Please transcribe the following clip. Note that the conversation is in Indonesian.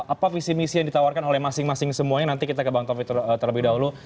apa visi misi yang ditawarkan oleh masing masing semuanya nanti kita ke bang taufik terlebih dahulu